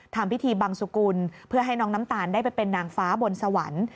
ทำพิธีบังสุกุลเพื่อให้น้องน้ำตาลได้ไปเป็นนางฟ้าบนสวรรค์